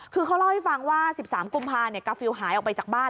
คือเขาเล่าให้ฟังว่า๑๓กุมภากาฟิลหายออกไปจากบ้าน